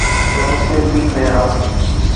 تو مسلم لیگ میں آ۔